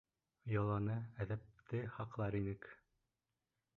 Йоланы, әҙәпте һаҡлар инек.